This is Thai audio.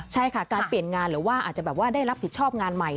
ใช่ค่ะการเปลี่ยนงานหรือว่าอาจจะแบบว่าได้รับผิดชอบงานใหม่